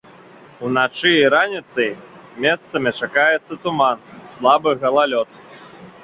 Уначы і раніцай месцамі чакаецца туман, слабы галалёд.